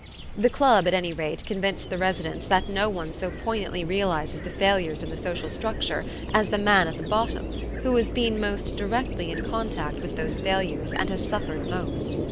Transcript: The club at any rate convinced the residents that no one so poignantly realizes the failures in the social structure as the man at the bottom, who has been most directly in contact with those failures and has suffered most.